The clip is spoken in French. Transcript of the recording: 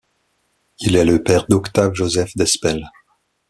Il est le père d'Octave-Joseph d'Hespel.